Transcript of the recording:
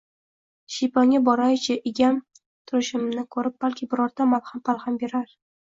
– Shiyponga boray-chi, egam turishimni ko‘rib, balki, birorta malham-palham berar